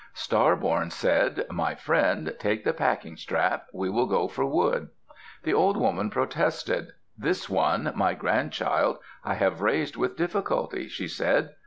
Star born said, "My friend, take the packing strap; we will go for wood." The old woman protested. "This one, my grandchild, I have raised with difficulty," she said.